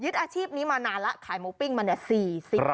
ยึดอชีพนี้มานานละขายหมูปิ้งมา๔๐ปีค่ะ